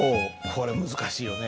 これ難しいよね。